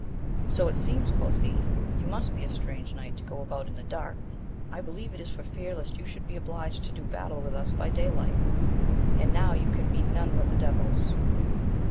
— So it seems, quoth he, you must be a strange knight to go about in the dark ; I believe it is for fear lest you should be obliged to do battle with us by day light, and now you can meet none but the devils.